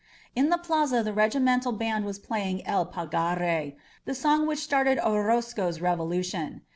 .•. In the plaza the regimental band was playing "El Pagare," the song which started Orozco's Revolution.